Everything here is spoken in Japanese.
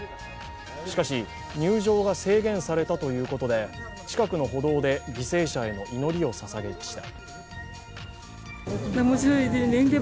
しかし、入場が制限されたということで近くの歩道で犠牲者への祈りをささげました。